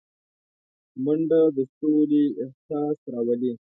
منډه د سولې احساس راولي